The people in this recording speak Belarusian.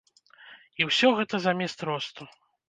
І ўсё гэта замест росту.